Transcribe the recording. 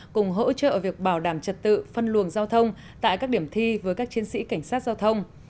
cùng hỗ trợ việc bảo đảm trật tự phân luồng giao thông tại các điểm thi với các chiến sĩ cảnh sát giao thông